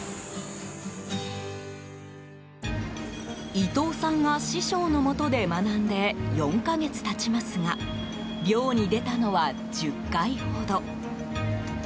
伊藤さんが師匠のもとで学んで４か月経ちますが漁に出たのは１０回ほど。